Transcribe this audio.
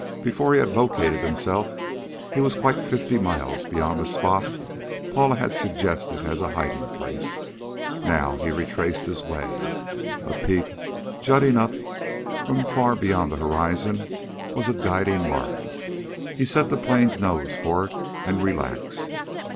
Before he had located himself he was quite fifty miles beyond the spot Paula had suggested as a hiding place. Now he retraced his way. A peak jutting up from far beyond the horizon was a guiding mark. He set the plane's nose for it, and relaxed.